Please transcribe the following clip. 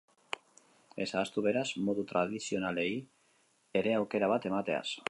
Ez ahaztu, beraz, modu tradizionalei ere aukera bat emateaz!